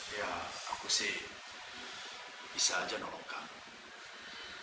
ya aku sih bisa aja nolong kamu